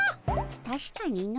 たしかにの。